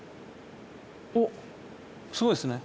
おっすごいですね。